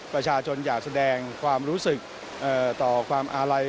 ประชาชนอยากแสดงความรู้สึกต่อความอาลัย